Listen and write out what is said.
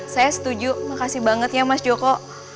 saya setuju makasih banget ya mas joko